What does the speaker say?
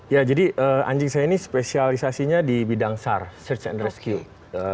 ya jadi anjing saya ini spesialisasinya di bidang sar search and rescue